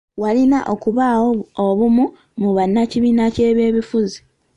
Walina okubaawo obumu mu bannakibiina ky'ebyobufuzi.